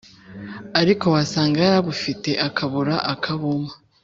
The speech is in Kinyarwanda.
ariko wasanga yarabufite akabura ukabumpa